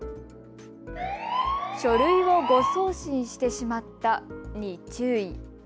書類を誤送信してしまったに注意。